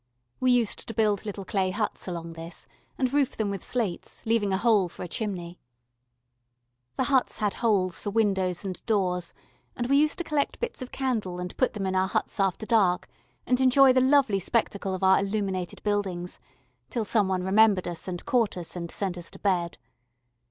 We used to build little clay huts along this, and roof them with slates, leaving a hole for a chimney. The huts had holes for windows and doors, and we used to collect bits of candle and put them in our huts after dark and enjoy the lovely spectacle of our illuminated buildings till some one remembered us and caught us, and sent us to bed.